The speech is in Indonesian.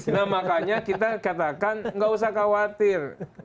nah makanya kita katakan nggak usah khawatir